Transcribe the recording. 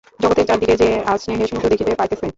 জগতের চারিদিকে সে আজ স্নেহের সমুদ্র দেখিতে পাইতেছে।